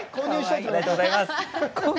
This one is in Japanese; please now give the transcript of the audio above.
ありがとうございます。